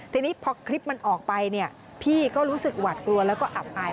ทีนี้พอคลิปมันออกไปเนี่ยพี่ก็รู้สึกหวาดกลัวแล้วก็อับอาย